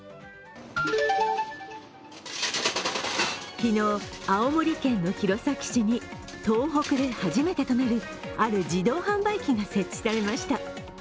昨日、青森県の弘前市に東北で初めてとなる、ある自動販売機が設置されました。